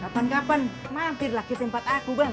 kapan kapan mampirlah ke tempat aku bang